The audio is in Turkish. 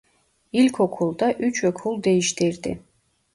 İlkokulda üç okul değiştirdi.